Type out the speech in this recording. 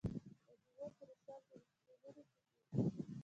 د میوو تراشل په محفلونو کې کیږي.